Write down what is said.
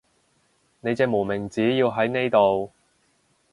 你隻無名指要喺呢度